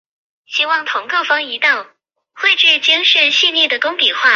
武装刺铠虾为铠甲虾科刺铠虾属下的一个种。